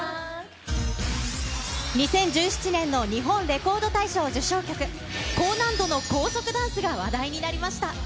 ２０１７年の日本レコード大賞受賞曲、高難度の高速ダンスが話題になりました。